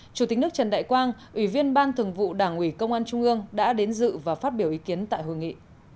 chủ tịch nước trần đại quang ủy viên ban thường vụ đảng ủy công an trung ương đã đến dự và phát biểu ý kiến tại hội nghị